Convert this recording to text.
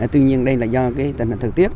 tuy nhiên đây là do cái tình hình thời tiết